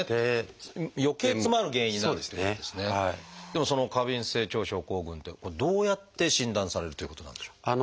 でもその過敏性腸症候群ってどうやって診断されるっていうことなんでしょう？